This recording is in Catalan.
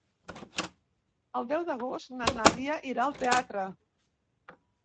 El deu d'agost na Nàdia irà al teatre.